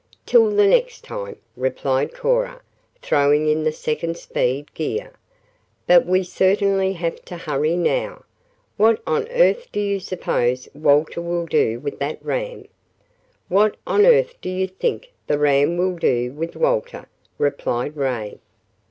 "Till the next time," replied Cora, throwing in the second speed gear. "But we will certainly have to hurry now. What on earth do you suppose Walter will do with that ram?" "What on earth do you think the ram will do with Walter?" replied Ray.